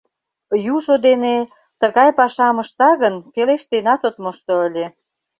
Южо дене, тыгай пашам ышта гын, пелештенат от мошто ыле.